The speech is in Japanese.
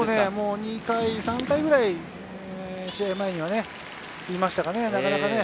２回、３回ぐらい試合前には言いましたかね。